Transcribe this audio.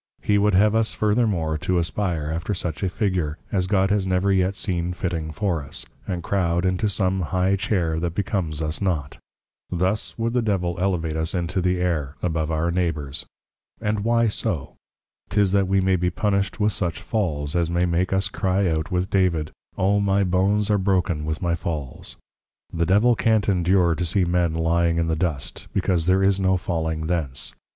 He would have us furthermore, to aspire after such a Figure, as God has never yet seen fitting for us; and croud into some High Chair that becomes us not. Thus would the Devil Elevate us into the Air, above our Neighbours; and why so? 'Tis that we may be punished with such Falls, as may make us cry out with David, O my Bones are broken with my Falls! The Devil can't endure to see men lying in the Dust; because there is no falling thence.